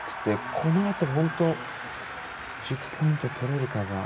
このあと１０ポイント取れるかが。